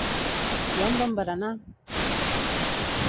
Hi ha un bon berenar!